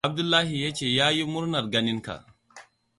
Abdullahi yace yayi murnar ganin ka.